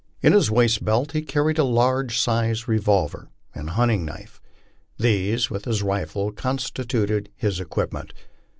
In his waist belt he carried a large sized revol ver and a hunting knife. These, with his rifle, constituted his equipment.